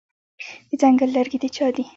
د ځنګل لرګي د چا دي؟